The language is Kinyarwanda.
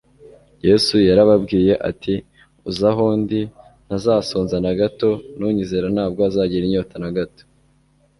Yesu yarababwiye ati: «Uza aho ndi ntazasonza na hato, n'unyizera ntabwo azagira inyota na hato.»